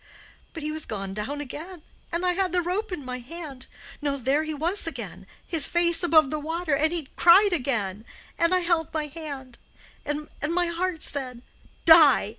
But he was gone down again, and I had the rope in my hand—no, there he was again—his face above the water—and he cried again—and I held my hand, and my heart said, 'Die!